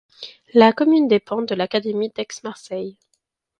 La commune dépend de l'Académie d'Aix-Marseille.